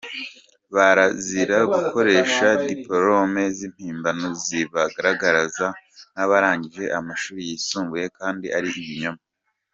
Barazira gukoresha dipolome z’impimbano zibagaragaza nk’abarangije amashuli yisumbuye kandi ari ibinyoma.